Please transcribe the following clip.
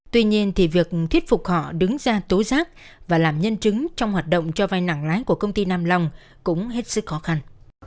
tuy nhiên thì việc thuyết phục họ đứng ra tố giác và làm nhân chứng trong hoạt động cho vai nặng lái của công ty nam long cũng hết sức khó khăn